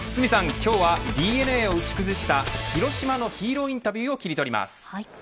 今日はＤｅＮＡをうち崩した広島のヒーローインタビューをキリトリます。